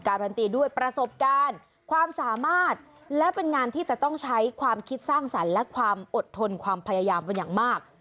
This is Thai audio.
การันตีด้วยประสบการณ์ความสามารถและเป็นงานที่จะต้องใช้ความคิดสร้างสรรค์และความอดทนความพยายามเป็นอย่างมาก